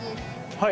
はい。